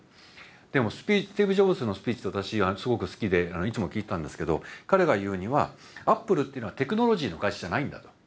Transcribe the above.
でもスティーブ・ジョブズのスピーチ私すごく好きでいつも聞いてたんですけど彼が言うにはアップルっていうのはテクノロジーの会社じゃないんだと。